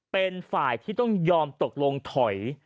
เป็นฝ่ายที่ต้องยอมตกลงถอย